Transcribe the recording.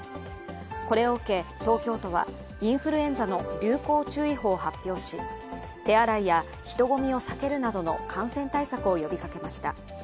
これを受け、東京都はインフルエンザの流行注意報を発表し手洗いや人込みを避けるなどの感染対策を呼びかけました。